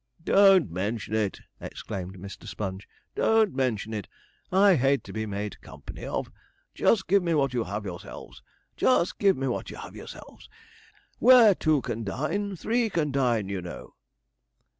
'Don't mention it!' exclaimed Mr. Sponge; 'don't mention it. I hate to be made company of. Just give me what you have yourselves just give me what you have yourselves. Where two can dine, three can dine, you know.'